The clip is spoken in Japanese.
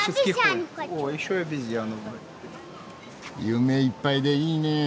夢いっぱいでいいねえ。